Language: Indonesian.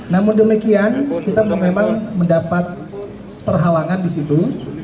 namun demikian kita memang mendapat perhalangan di situ